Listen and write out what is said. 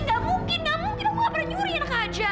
nggak mungkin aku nggak pernah nyuri anak khaja